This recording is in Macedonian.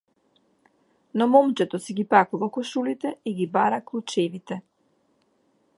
Но момчето си ги пакува кошулите и ги бара клучевите.